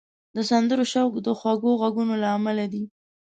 د سندرو شوق د خوږو غږونو له امله دی